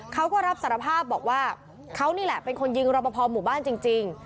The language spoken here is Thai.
เขาก็รับสารภาพบอกว่าเขานี่แหละเป็นคนยิงรอปภหมู่บ้านจริง